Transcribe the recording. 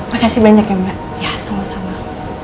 makasih banyak ya mbak